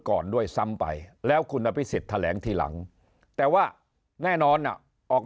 ก่อนด้วยซ้ำไปแล้วคุณอภิษฎแถลงทีหลังแต่ว่าแน่นอนออก